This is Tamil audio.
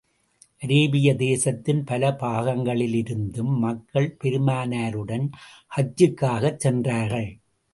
அரேபியா தேசத்தின் பல பாகங்களிலிருந்தும், மக்கள் பெருமானாருடன் ஹஜ்ஜுக்காகச் சென்றார்கள்.